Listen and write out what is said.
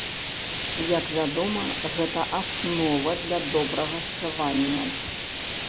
Як вядома, гэта аснова для добрага спявання.